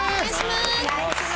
お願いします！